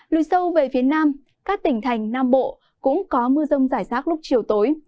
lùi sâu về phía nam các tỉnh thành nam bộ cũng có mưa rông rải rác lúc chiều tối